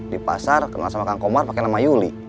di pasar kenal sama kang komar pakai nama yuli